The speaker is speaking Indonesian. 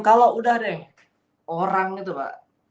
kalau udah deh orang itu pak